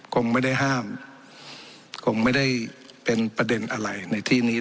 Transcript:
คงไม่ได้ห้ามคงไม่ได้เป็นประเด็นอะไรในที่นี้